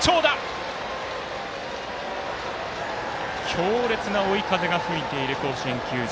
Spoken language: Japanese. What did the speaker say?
強烈な追い風が吹いている甲子園球場。